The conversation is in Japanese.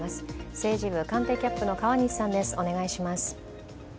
政治部官邸キャップの川西さんです。